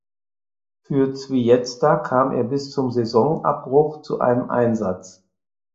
Für Zvijezda kam er bis zum Saisonabbruch zu einem Einsatz.